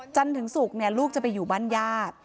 จันถึงศุกร์เนี่ยลูกจะไปอยู่บ้านญาติ